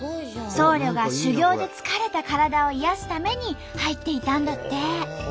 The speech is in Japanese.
僧侶が修行で疲れた体を癒やすために入っていたんだって！